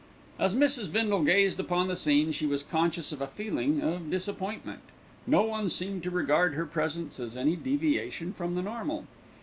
As Mrs. Bindle gazed upon the scene, she was conscious of a feeling of disappointment; no one seemed to regard her presence as any deviation from the normal.